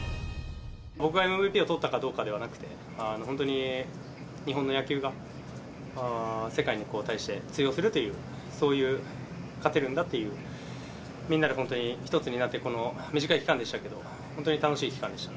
僕がＭＶＰを取ったかどうかではなくて、本当に日本の野球が世界に対して通用するという、そういう勝てるんだという、みんなで本当に一つになって、この短い期間でしたけれども、本当に楽しい期間でした。